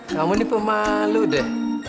kamu nih pemalu deh